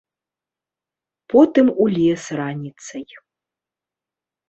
Потым у лес раніцай.